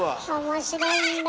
面白いんだ。